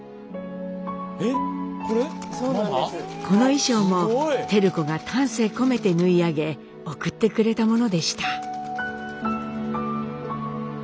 この衣装も照子が丹精込めて縫い上げ送ってくれたものでした。